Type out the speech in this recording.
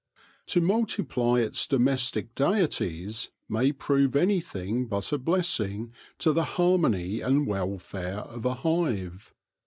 To multiply its domestic deities may prove anything but a blessing to the harmony and welfare of a hive.